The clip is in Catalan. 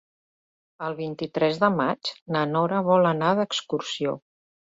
El vint-i-tres de maig na Nora vol anar d'excursió.